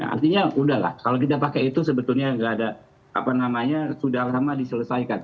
artinya udah lah kalau kita pakai itu sebetulnya nggak ada apa namanya sudah lama diselesaikan